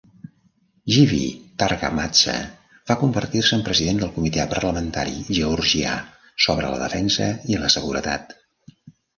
Givi Targamadze va convertir-se en president del Comitè Parlamentari Georgià sobre la Defensa i la Seguretat.